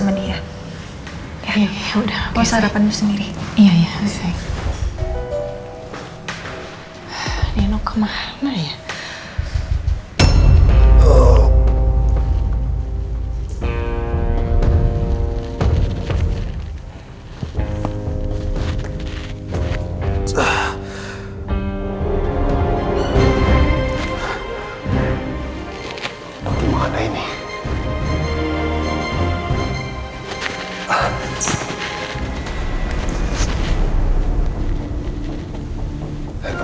kalo misalkan aku ketemu sama nino